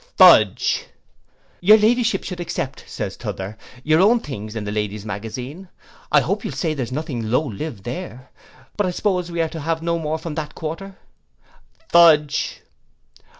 Fudge! 'Your Ladyship should except,' says t'other, 'your own things in the Lady's Magazine. I hope you'll say there's nothing low lived there? But I suppose we are to have no more from that quarter?' _Fudge!